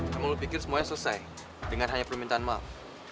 kamu pikir semuanya selesai dengan hanya permintaan maaf